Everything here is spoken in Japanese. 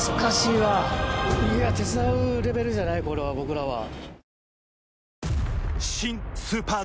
いや手伝うレベルじゃないこれは僕らは。